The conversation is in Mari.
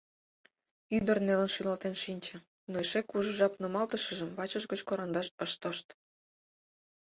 Ӱдыр нелын шӱлалтен шинче, но эше кужу жап нумалтышыжым вачыж гыч кораҥдаш ыш тошт.